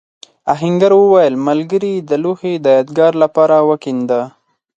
آهنګر وویل ملګري دا لوښی د یادگار لپاره وکېنده.